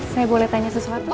saya boleh tanya sesuatu